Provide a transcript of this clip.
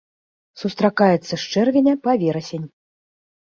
Сустракаецца з чэрвеня па верасень.